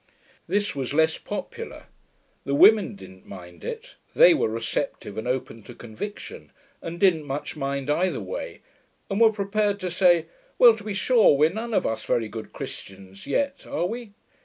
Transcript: This was less popular. The women didn't mind it; they were receptive and open to conviction, and didn't much mind either way, and were prepared to say, 'Well, to be sure, we're none of us very good Christians yet, are we?'